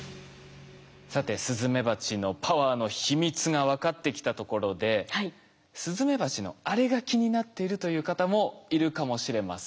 さてスズメバチのパワーの秘密が分かってきたところでスズメバチのあれが気になっているという方もいるかもしれません。